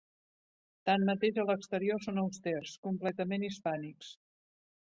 Tanmateix a l'exterior són austers, completament hispànics.